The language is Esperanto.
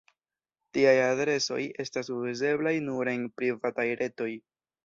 Tiaj adresoj estas uzeblaj nur en "privataj" retoj.